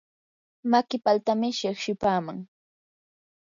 maki paltami shiqshipaaman.